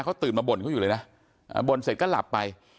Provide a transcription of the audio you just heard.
เขาตื่นมาบ่นเขาอยู่เลยนะบ่นเสร็จก็หลับไป